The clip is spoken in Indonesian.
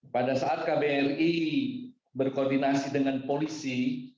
pada saat kbri berkoordinasi dengan polisi